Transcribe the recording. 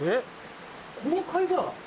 この貝殻。